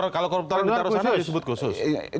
kalau koruptor di taruh sana disebut khusus